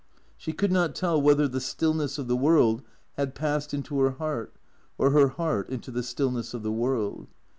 She could not tell whether the stillness of the world had passed into her heart, or her heart into the stillness of the world.